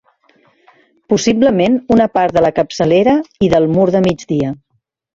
Possiblement una part de la capçalera i del mur de migdia.